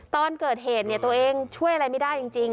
ตอนเกิดเหตุตัวเองช่วยอะไรไม่ได้จริง